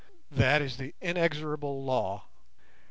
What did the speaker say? That is the inexorable law.